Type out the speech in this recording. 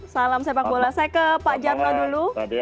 salam sepak bola saya ke pak jarno dulu